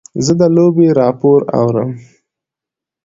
زه د لوبې راپور اورم.